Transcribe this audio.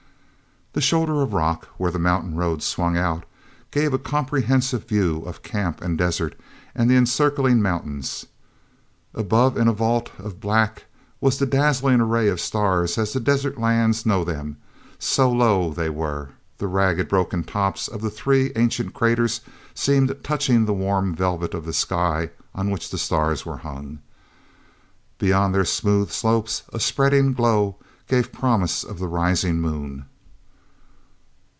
he shoulder of rock, where the mountain road swung out, gave a comprehensive view of camp and desert and the encircling mountains. Above in a vault of black was the dazzling array of stars as the desert lands know them; so low they were, the ragged, broken tops of the three ancient craters seemed touching the warm velvet of the sky on which the stars were hung. Beyond their smooth slopes a spreading glow gave promise of the rising moon.